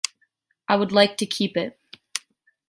I would like to keep it